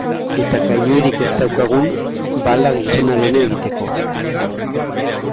Eta kanoirik ez daukagun, bala gizonarena egiteko.